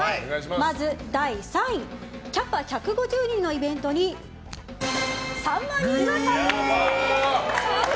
まず、第３位キャパ１５０人のイベントに３万人が殺到。